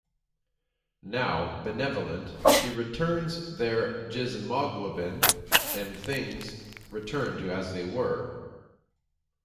Now benevolent, she returns their Jizmoglobin, and things return to as they were.